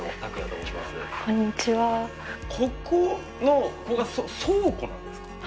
ここのこれが倉庫なんですか？